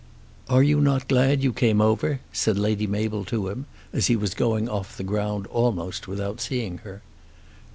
"Are you not glad you came over?" said Lady Mabel to him as he was going off the ground almost without seeing her.